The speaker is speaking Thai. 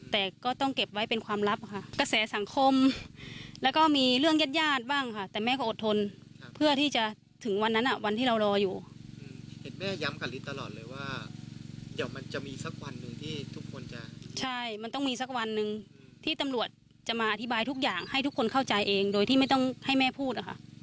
ที่ตำรวจจะมาอธิบายทุกอย่างให้ทุกคนเข้าใจเองโดยที่ไม่ต้องให้แม่พูด